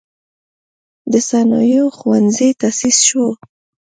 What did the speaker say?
د صنایعو ښوونځی تأسیس شو.